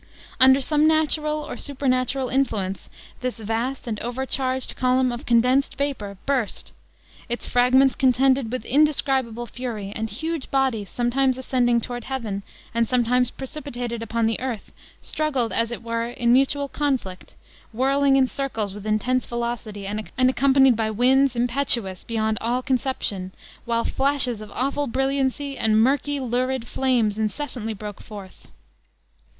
Under some natural or supernatural influence, this vast and overcharged volume of condensed vapor burst; its fragments contended with indescribable fury, and huge bodies sometimes ascending toward heaven, and sometimes precipitated upon the earth, struggled, as it were, in mutual conflict, whirling in circles with intense velocity, and accompanied by winds, impetuous beyond all conception; while flashes of awful brilliancy, and murky, lurid flames incessantly broke forth.